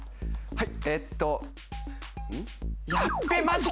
はい。